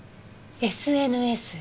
ＳＮＳ。